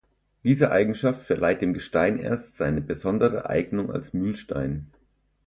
Diese Eigenschaft verleiht dem Gestein erst seine besondere Eignung als Mühlstein.